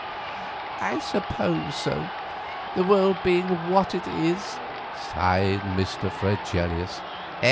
"I suppose so, the world being what it is," sighed Mr. Fregelius.